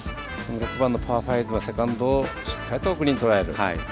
６番のパー５のセカンドをしっかりとグリーンをとらえる。